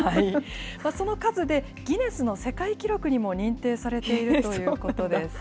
その数でギネスの世界記録にも認定されているということです。